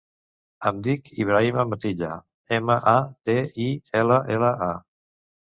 Em dic Ibrahima Matilla: ema, a, te, i, ela, ela, a.